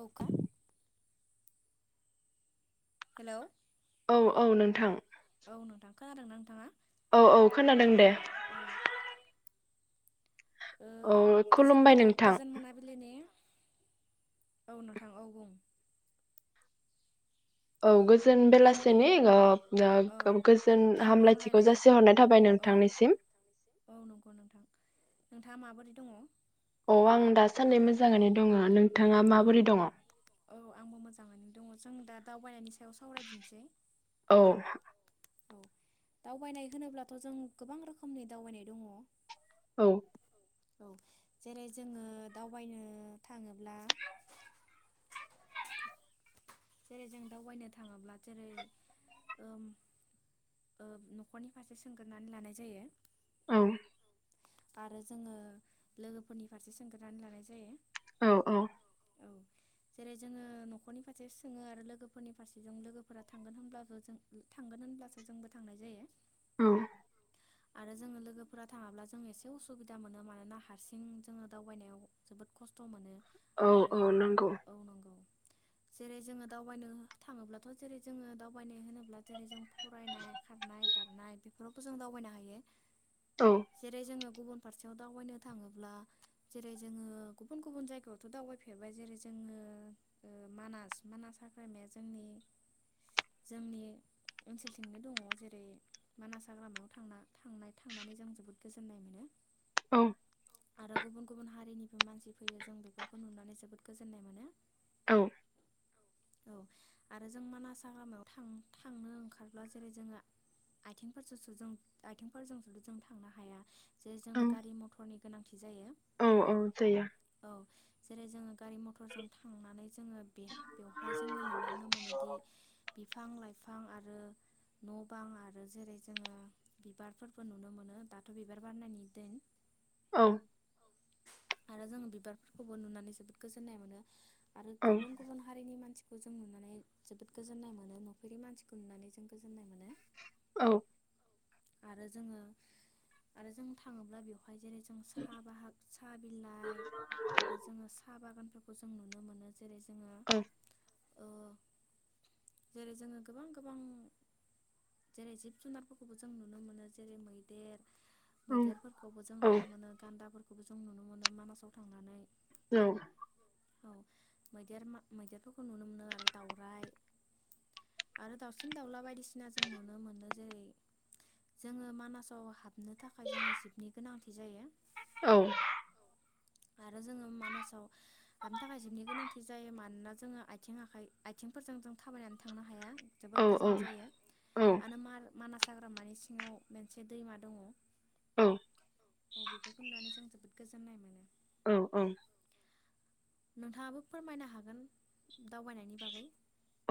औ खा हेलौ औ औ नोंथां। खोनादों ना नोंथाङा? औ औ खोनादों दे। औ खुलुमबाय नोंथां। औ नोंथां औ बुं। औ गो जोन बेलासेनि ओब ओ गोजोन हामलायथिखौ जासिहरनाय थाबाय नोंथांनिसिम। [inaudible] नोंथांङा माबोरै दङ? अ आं दासान्दि मोजांङानो दङ नों थांङा माबोरै दङ? औ आंबो मोजांङैनो दंङ जों दा दावबायनायनि सा याव सावरायदिनसै। औ दावबायनाय होनोब्लाथ' जों गोबां रोखोमनि दावबायनाय दङ। औ औ जेरै जोङो दावबायनो थांङोब्ला जेरै जों दावबायनो थाङोब्ला जेरै ओम ओम न'खरनि फारसे सोंगोरनानै लानाय जायो। आरो जोंङो लोगोफोरनि फारसे सोंगोरनानै लानाय जायो। औ औ औ जेरै जोंङो न'खरनि फारसे जोंङो आरो लोगोफोरनि फारसेजों लोगोफोरा थांगोन होनब्लाबो जों थांगोन होनब्लासो जोंबो थांनाय जायो। उम आरो जोंङो लोगोफोरा थाङाब्ला जों एसे उसुबिदा मोनो मानोना हारसिं जोनङो दावबायनायाव जोबोद खस्थ' मोनो। आरो औ नंगौ जेरै जोंङो दावबायनो थाङोब्लाथ' जेरै जोंङो दावबायनाय होनोब्ला जेरै जों फरायनाय खारनाय बारनाय बेफोरावबो जों दावबायनो हायो। जेरै जोंङो गुबुन फारसेयाव दावबायनो थांङोब्ला जेरै जोंङो गुबुन गुबुन जायगायावथ' दावबायफेरबाय जेरै जोंङो ओ मानास मानास हाग्रामाया जोंनि जोंनि ओनसोलथिंनो दङ जेरै मानास हाग्रामायाव थांना थांनाय थांनानै जों जोबोद गोजोननाय मोनो। औ आरो गुबुन गुबुन हारिनिबो मानसि फैयो जों बेफोरखौ नुनानै जोबोद गोजोननाय मोनो‌। औ औ औ आरो जों मानास हाग्रामायाव थां-थांनो ओंखारब्ला जेरै जोंङो आइथिंफोरजों सो जों आथिंफोरजों सो जों थांनो हाया। जे जोंनो गारि मथरनि गोनांथि जायो औ जेरै जोङो गारि मथरजों थांनानै जोङो बेवहाय जोंङो नुलांनो मोनो दि बिफां लाइफां आरो न' बां आरो जेरै जोङो बिबारफोरबो नुनो मोनो दाथ' बिबार बारनायनि दिन। औ आरो जों बिबारफोरखौबो नुनानै जोबोद गोजोननाय मोनो। आरो गुबुन गुबुन हारिनि मानसि [unintelligible] जों नुनानै जोबोद गोजोननाय मोनो न'खरनि मानसिखौ नुनानै जों गोजोननाय मोनो। औ आरो जोङो आरो जों थाङोब्ला बेव हाय जेरै जों सा बाहाग सा बिलाइ आरो जोङो साहा बागान [unintelligible] जों नुनो मोनो जेरै जों औ ओ जेरै जोङो गोबां -गोबां जेरै जिब -जुनारफोरखौ- जों नुनो मोनो जेरै मैदेर मैदेरफोरखौबो जों नुनो मोनो गान्दाफोर [unintelligible] जों नुनो मोनो मा- मानासाव थांनानै। औ औ मैदेर मा- मैदेरफोरखौ नुनो मोनो आरो दाउराइ आरो दाउसिन- दाउला बायदिसिना जों नुनो मोनो जेरै जोङो मानासाव हाबनो थाखाय जोङो जिबनि गोनांथि जायो। औ आरो जोङो मानासाव हाबनो थाखाय जिबनि गोनांथि जायो मानोना जोङो आथिं आखाइ आथिंफोरजों जों थाबायनानै थांनो हाया। जोबोद गोजान जायो आरो [unintelligible] मानास हाग्रामानि सिङाव मोनसे दैमा दङ। अ बेफोरखौनो दानि जों [unintelligible] गोजोननाय मोनो। औ औ नोंथाङाबो फोरमायनो हागोन दावबायनायनि बागै।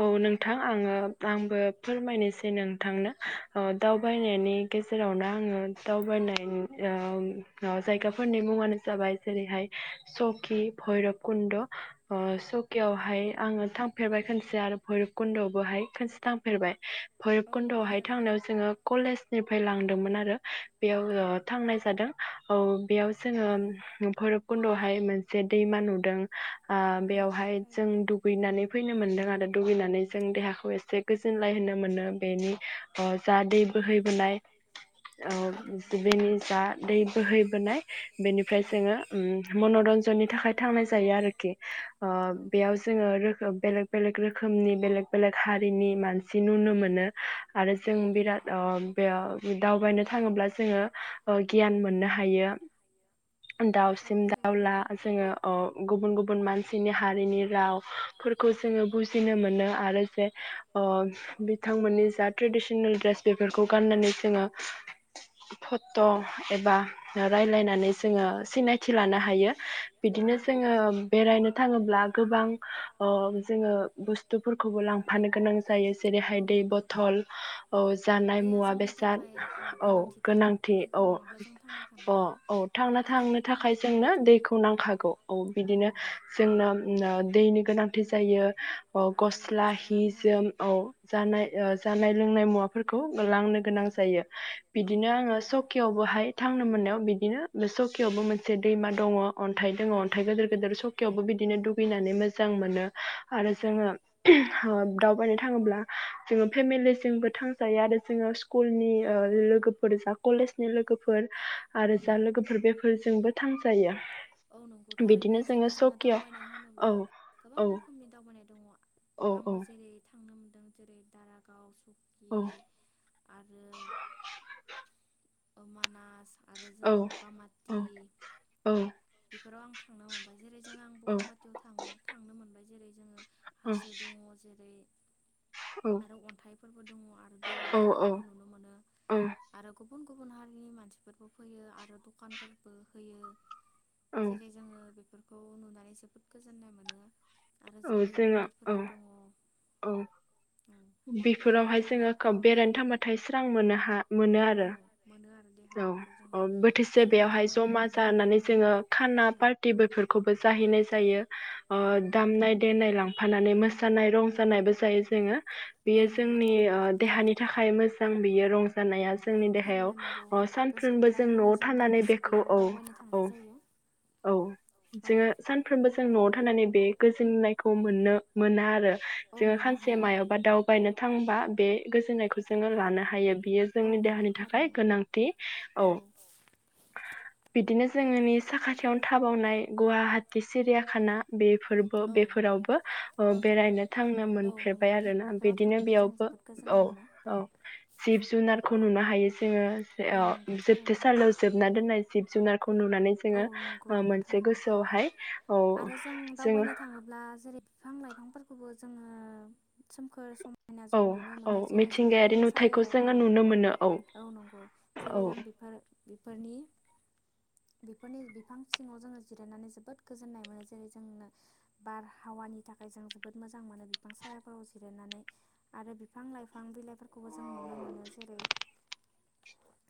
औ नोंथां आङो आंबो फोरमायनोसै नोंथांनो। अ दावबायनायनि गेजेराव ना आङो दावबायनाय ओ जायगाफोरनि मुङानो जाबाय जेरैहाय सकि, भैरब कुन्द ओ सकियावहाय आङो थांफेरबाय [unintelligible] आरो बैरबकुन्दआवबोहाय खोनसे थांफेरबाय। भैरब कुन्दआवहाय थांनायाव जोङो कलेजनि [unintelligible] लांदोंमोन आरो बेयाव ओ थांनाय जादों औ बेयाव जोङो भैरब कुन्दआवहाय मोनसे दैमा नुदों। आ बेयावहाय जों दुगैनानै फैनो मोनदों आरो। दुगैनानै जों देहाखौ एसे गोजोनलाय होनो मोनो। बेनि ओ जा दै बोहैबोनाय ओ बेनि जा दै बोहैबोनाय बेनिफ्राय जोङो ओ मनरन्जननि थाखाय थांनाय जायो आरोखि। ओ बेयाव जोङो रोखोब बेलेक बेलेग रोख नि बेलेग बेलेग हारिनि मानसि नुनो मोनो आरो जों बिराद ओ बेयाव दावबायनो थाङोब्ला जोङो ओ गियान मोननो हायो दावसिन दावला जोङो ओ गुबुन गुबुन मानसिनि हारिनि राव फोरखौ जोङो फिसिनो मोनो आरो जे ओ बिथांमोननि जा ट्रेडिसनेल ड्रेस बेफोरखौ गाननानै जोङो फट' एबा रायलायनानै जोङो सिनायथि लानो हायो बिदिनो जोङो बेरायनो थाङोब्ला गोबां अ बुस्थुफोरखौबो लांफानो गोनां जायो जेरैहाय दै बथल औ जानाय मुवा बेसाद औ गोनांथि औ औ औ थांना थांनो थाखाय जोंनो दैखौ नांखागौ औ बिदिनो जोंनो दैनि गोनां थि जायो अ गस्ला हि जोम औ जानाय ओ जानाय लोंनाय मुवाफोरखौ लांनो गोनां जायो बिदिनो आङो सकेयावबोहाय थांनो मोननायाव बिदिनो सकियावबो मोनसे दैमा दङ। अन्थाइ दङ अन्थाइ गदोर गोदोर सकेयावबो बिदिनो दुगैनानै मोज मोजां मोनो आरो जोङो ओ दावबायनो थाङोब्ला जोङो फेमिलिजोंबो थांजायो आरो जोङो स्कुलनि ओ लोगोफोर जा कलेजनि लोगो फोर आरो जा लोगोफोर बेफोरजोंबो थांजायो बिदिनो जोङो सकि' औ औ। दङ आंबो जेरै [inaudible] नुनो मोन्दों जेरै दारागाव सकि आरो अमानथ आरो जोङो बगामाथि बेफोराव आं थांना हाबबाय जेरै जों आं बगामाथियाव थाङो थांनो मोनबाय जेरै हाजो दङ जेरै आरो अन्थाइफोरबो दङ आरो दै बाज्रुमफोरबो नुनो मोनो आरो गुबुन गुबुन हारिनि मानसिफोर बो फैयो आरो दखानफोरबो होयो जेरै जोङो बेफोरखौ खौ नुनानै जोबोद गोजोन्नाय मोनो आरो जेरै मन्दिरफोरबो दङ औ बेफोरावहाय जोङो बेरायनो थांबाथाय स्रां मोनो हा मोनो आरो औ बोथोरसे बेवहाय जमा जानानै जोङो खाना पार्टि बेफोरखौबो जाहैनाय जायो दामनाय देनाय लांफानानै मोसानाय रं नाय [unintelligible] जायो जोङो बियो जोंनि ओ देहानि थाखाय मोजां जों बियो रं जानाया जोंनि देहायाव अ सानफ्रबो जों न'आव थानानै बेखौ औ औ औ जोङो सानफ्रोमबो जों न'आव थानानै बे गोजोननायखौ मोननो मोना आरो जों सानसे मायाव बा दावबायनो थांबा बे गोजोन्नायखौ जोङो लानो हायो बियो जोंनि देहानि थाखाय गोनांथि। औ बिदिनो जोंनि साखाथियावनो थाबावनाय गुवाहाटटि सिरियाखाना‌ बेफोरबो बेफोरावबो ओ बेरायनो थांनो मोनफेरबाय आरो ना। बिदिनो बेयावबो औ औ जिब जुनार खौ नुनो हायो। जोङो अ जोबथेसालियाव जोबना दोननाय जिब जुनारखौ नुनानै जोङो ओ मोनसे गोसोआवहाय औ जोङो बिफां-लाइफांफोरखौबो जोङो सोमखोर सम औ औ मिथिंगायारि नुथायाइखौ जोङो नुनो मोनो औ। जेरै जों बिफार बिफोरनि बेफोरनि बिफां सिङाव जोङो जिरायनानै जोबोद गोजोननाय मोनो जेरै जोंनो बारहावानि थाखाय जों जोबोद मोजां मोनो बिफां सायाफोराव जिरायनानै आरो बिफां लाइफां बिलाइफोरखौबो जों नुनो मोनो जेरै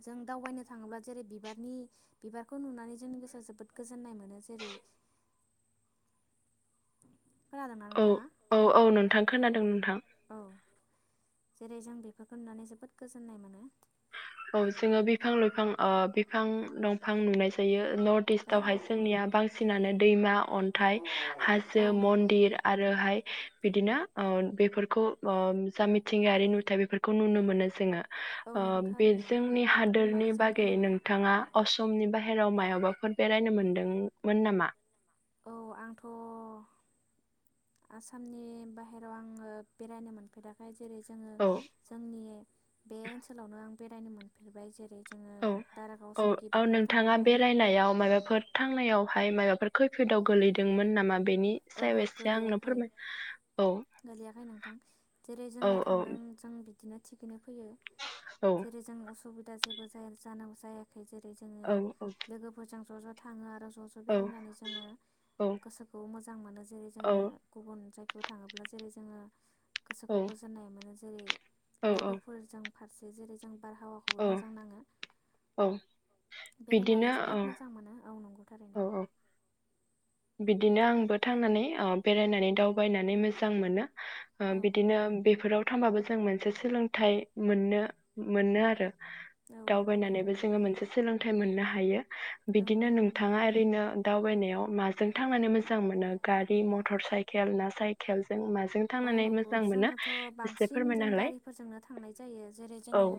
जों दावबायनो थाङोब्ला जेरै बिबारनि बिबारखौ नुनानै जोंनि गोसोआ जोबोद गोजोननाय मोनो जेरै औ औ औ नोंथां खोनादों नोंथां। जेरै जों बेफोरखौ नुनानै जोबोद गोजोननाय मोनो। औ जोङो बिफां लायफां ओ बिफां दंफां नुनाय जायो नर्थ इस्टवहाय जोंनिया बांसिनानो दैमा अन्थाइ हाजो मन्दिर आरोहाय बिदिनो ओ बेफोरखौ ओ जा मिथिंगायारि नुथाय बेफोरखौ नुनो मोनो जोङो। औ नंगौ थार बे जोंनि हादोरनि बागै नोंथाङा असमनि बाहेराव मायावबाफोर बेरायनो मोनदोंमोन नामा? औ आंथ' आसामनि बाहेराव आङो बेरायनो मोनफेराखै। जेरै जोङो जोंनि बे ओनसोलावनो आं बेरायनो मोनफेरबाय जेरै औ औ औ नोंथाङा बेरायनायाव मायबाफोर थांनायाव हाय माबाफोर खैफिदआव गोलैदोंमोन नामा? ओहो गोलैयाखै गोलैयाखै नोंथां जेरै जोङो थांदों जों बिदिनो थिगैनो फैयो जेरै जों असमिक दा जेबो जाया जानां जायाख खै जेरै जोङो लोगोफोरजों ज' ज' थाङो आरो ज' ज' बेरायनानै जोङो गोसोखौ मोजां मोजां मोनो जेरै जोङो गुबुन जायगायाव थाङोब्ला जेरै जोङो गोसोखौ गोजोननाय मोनो। जेरै लोगोफोरजों फारसे जेरै जों बारहावाखौबो मोजां नाङो। औ बेरायनानै जोबोद मोजां मोनो औ। थारैनो बिदिनो आंबो थांनानै ओ बेरायनानै दावबायनानै मोजां मोनो ओ बिदिनो बेफोराव थांबाबो जों मोनसे सोलोंथाइ मोननो मोनो आरो दावबायनानैबो जोङो मोनसे सोलोंथाइ मोननो हायो बिदिनो नोंथाङा ओरैनो दावबायनायाव याव मा जों थांनानै मानो मोजां मोनो गारि मटर साइकेल ना साइकेल औ नंगौ जोङोथ' बांसिन जों गारिफोरजोंनो थांनाय जायो जेरै जोङो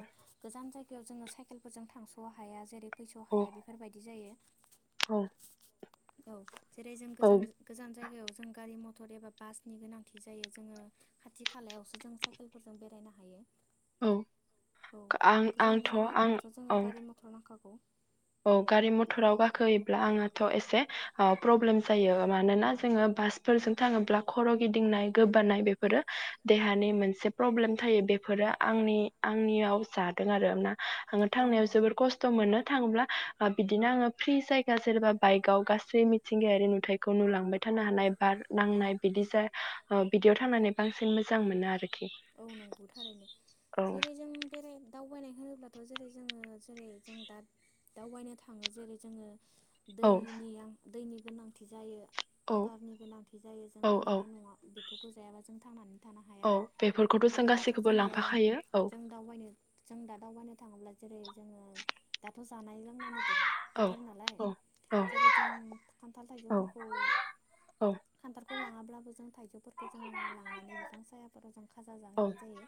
गोजान जायगायाव जोङो साइकेल फोरजों थांस' हाया जेरै फैस' हाया बेफोरबायदि जायो। औ औ जेरै जों गोजान गोजान जायगायाव जों गारि मथर एबा बासनि गोनांथि जायो जोङो खाथि खालायावसो जों साइकेलफोरजों बेरायनो हायो। औ गोजान जायगाब्लाथ' जोङो गारि मथर नांखागौ औ गारि मथराव गाखोयोब्ला आंहाथ' एसे ओ प्रब्लेम जायो मानोना जोङो बासफोरजों थाङोब्ला खर' गिदिंनाय गोबानाय बेफोरो देहानि मोनसे प्रब्लेम थायो बेफोरो आंनि आंनियाव जादों आरोना आङो थांनायाव जोबोर खस्थ' मोनो थाङोब्ला ओ बिदिनो आङो फ्रि जायगा जेनेबा बाइकआव गासै मिथिंगायारि नुथायखौ नुलांबाय थानो हानाय बार नांनाय बिदि जा ओ बिदियाव थांनानै बांसिन मोजां मोनो आरो औ नंगौ थारैनो जेरै जों बेराय दावबायनाय होनोब्लाथ' जेरै- जोङो जेरै जों दा दावबायनो थाङो जेरै- जोङो दैनियां दैनि गोनांथि जायो। आदारनि गोनांथि जायो जों बेफोरखौ न'आव बे खौ जायाबा जों थांनानै औ बे आरो दाथ' जोङो जों दावबायनो जों दा दावबायनो था अब्ला जेरै- जोङो दाथ'स जानाय लोंनायनि बोथोर नालाय जेरै- जों खान्थाल थाइजौफोरखौ खान्थालखौ लाङाब्लाबो जों थाइजौफोरखौ जों लांनानै बिफां सायाफोराव जों जा जाहैनाय जायो।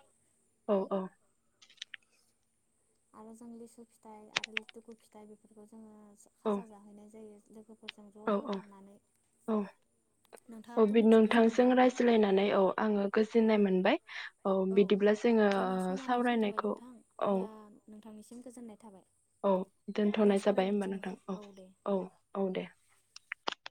आरो जों लिसु फिथाइ आरो लिथुखु फिथाइ बेफोरखौ जोङो साजा जाहैनाय जायो। जेखौ लोगो फोरजों ज' ज' थांनानै अ बि नोंथांजों रायज्लायनानै औ आङो गो सिनाय मोनबाय। औ बिदिब्ला जोङो सावरायनायखौ औ औ दोनथ'नाय जाबाय हबा नोंथां औ औ औ दे